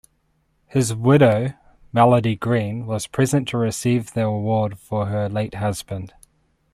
His widow, Melody Green, was present to receive the award for her late husband.